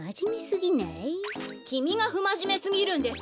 きみがふまじめすぎるんです。